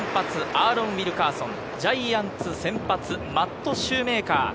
アーロン・ウィルカーソン、ジャイアンツ先発マット・シューメーカー。